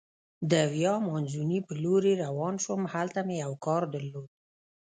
د ویا مانزوني په لورې روان شوم، هلته مې یو کار درلود.